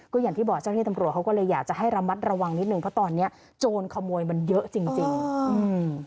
ก็อย่างที่บอกเจ้าหน้าที่ตำรวจเขาก็เลยอยากจะให้ระมัดระวังนิดนึงเพราะตอนเนี้ยโจรขโมยมันเยอะจริงจริงอืม